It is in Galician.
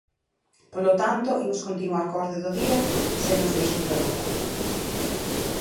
Polo tanto, imos continuar coa orde do día, se nos deixan rematar.